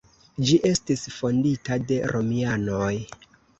Ĝi estis fondita de romianoj.